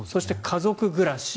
そして家族暮らし。